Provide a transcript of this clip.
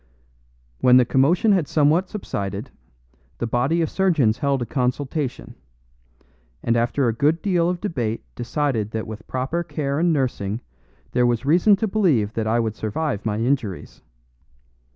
When the commotion had somewhat subsided, the body of surgeons held a consultation, and after a good deal of debate decided that with proper care and nursing there was reason to believe that I would survive my injuries.